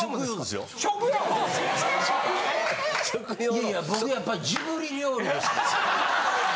いやいや僕やっぱりジブリ料理ですね。